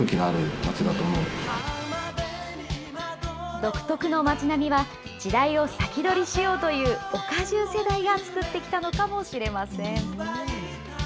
独特の街並みは、時代を先取りしようというオカジュー世代が作ってきたのかもしれません。